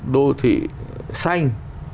đô thị xanh